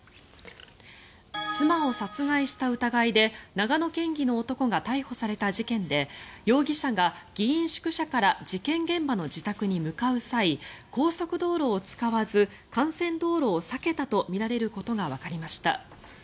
妻を殺害した疑いで長野県議の男が逮捕された事件で容疑者が議員宿舎から事件現場の自宅に向かう際高速道路を使わず幹線道路を避けたとみられることがわかりました。